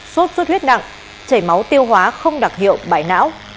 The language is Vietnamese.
sốt xuất huyết nặng chảy máu tiêu hóa không đặc hiệu bại não